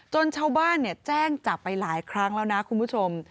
ชาวบ้านแจ้งจับไปหลายครั้งแล้วนะคุณผู้ชม